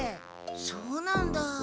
そうなんだ。